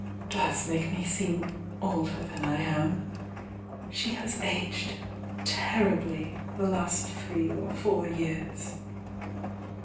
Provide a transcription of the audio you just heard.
— does maJce me seem older than I am. She has aged ter nbly the last three or four years."